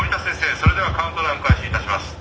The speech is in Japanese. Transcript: それではカウントダウン開始いたします。